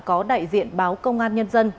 có đại diện báo công an nhân dân